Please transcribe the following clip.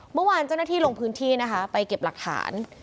เมื่อวานเจ้าหน้าที่ลงพื้นที่นะคะไปเก็บหลักฐาน